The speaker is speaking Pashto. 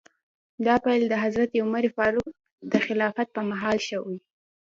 دا پیل د حضرت عمر فاروق د خلافت په مهال شوی.